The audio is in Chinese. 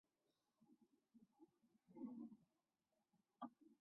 首府阿亚库乔。